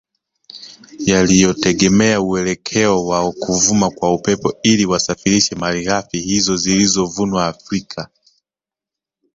Yaliyotegemea uelekeo wa kuvuma kwa Upepo ili wasafirishe malighafi hizo zilizovunwa Afrika